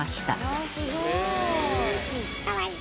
かわいい。